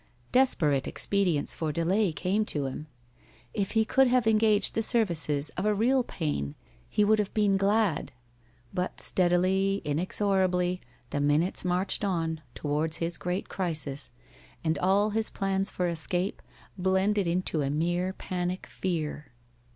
Desperate expedients for delay came to him. If he could have engaged the services of a real pain, he would have been glad. But steadily, inexorably, the minutes marched on towards his great crisis, and all his plans for escape blended into a mere panic fear.